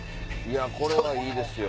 これはいいですよ。